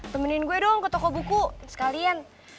temenin gue dong ke toko buku sekalian